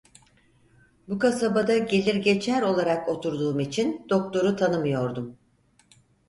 Bu kasabada gelir geçer olarak oturduğum için doktoru tanımıyordum.